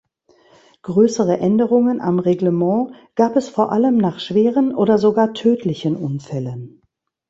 Größere Änderungen am Reglement gab es vor allem nach schweren oder sogar tödlichen Unfällen.